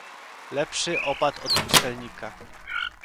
"Lepszy opat od pustelnika."